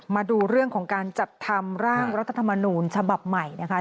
มาดูเรื่องของการจัดทำร่างรัฐธรรมนูญฉบับใหม่นะคะ